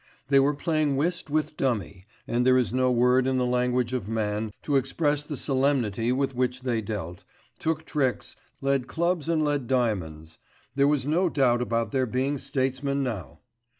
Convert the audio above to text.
They were playing whist with dummy, and there is no word in the language of man to express the solemnity with which they dealt, took tricks, led clubs and led diamonds ... there was no doubt about their being statesmen now!